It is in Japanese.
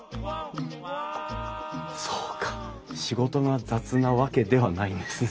そうか仕事が雑なわけではないんですね。